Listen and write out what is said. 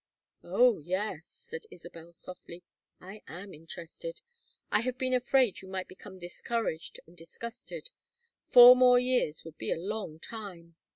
"Oh yes," said Isabel, softly. "I am interested! I have been afraid you might become discouraged and disgusted. Four more years would be a long time.